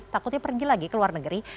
takutnya pergi lagi ke luar negeri